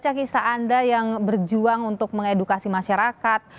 saya ingin membaca kisah anda yang berjuang untuk mengedukasi masyarakat